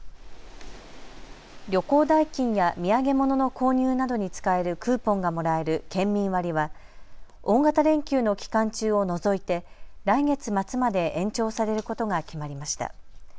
旅行代金や土産物の購入などに使えるクーポンがもらえる県民割は大型連休の期間中を除いて来月末まで延長されることが決まりました。